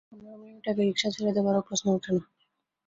পনের মিনিট আগে রিকশা ছেড়ে দেবারও প্রশ্ন ওঠে না।